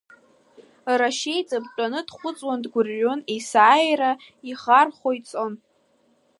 Рашьеиҵбы дытәаны дхәыцуан, дгәырҩон, есааира иӷархо ицон.